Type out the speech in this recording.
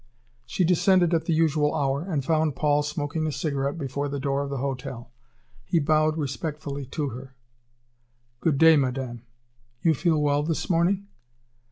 She descended at the usual hour, and found Paul smoking a cigarette before the door of the hotel. He bowed respectfully to her: "Good day, Madame. You feel well this morning?"